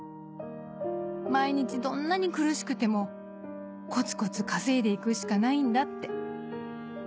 毎日どんなに苦しくてもコツコツ稼いで行くしかないんだって」。